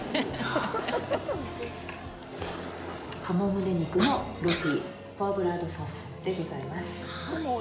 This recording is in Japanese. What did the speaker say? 鴨胸肉のロティポワブラードソースでございます。